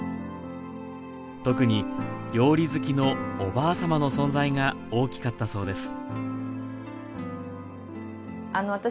特に料理好きのおばあ様の存在が大きかったそうです